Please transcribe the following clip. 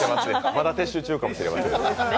まだ撤収中かもしれない。